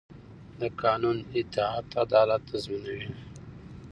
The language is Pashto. د قانون اطاعت عدالت تضمینوي